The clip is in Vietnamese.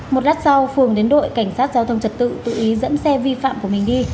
một rát sau phường đến đội cảnh sát giao thông trật tự tự ý dẫn xe vi phạm của mình đi